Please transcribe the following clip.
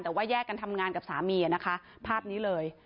แต่ว่าแยกกันทำงานกับสามีนะคะภาพนี้เลย